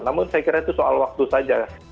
namun saya kira itu soal waktu saja